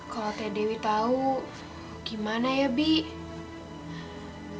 kalau teh dewi tahu gimana ya bi